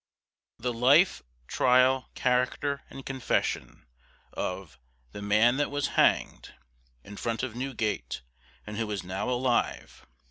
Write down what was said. THE LIFE, TRIAL, CHARACTER, AND CONFESSION OF The Man that was Hanged IN FRONT OF NEWGATE, AND WHO IS NOW ALIVE!